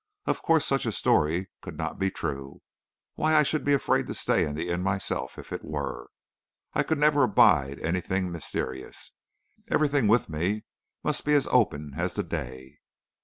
Of course such a story could not be true. Why, I should be afraid to stay in the inn myself if it were. I could never abide anything mysterious. Everything with me must be as open as the day."